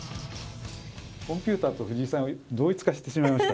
コンピューターと藤井さん、同一化してしまいました。